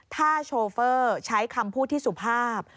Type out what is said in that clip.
ถ้าโชเฟอร์ใช้คำพูดที่สุภาพ